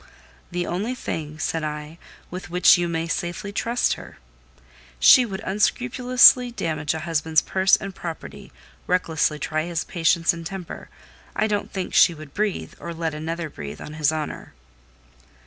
"The only thing," said I, "with which you may safely trust her. She would unscrupulously damage a husband's purse and property, recklessly try his patience and temper: I don't think she would breathe, or let another breathe, on his honour."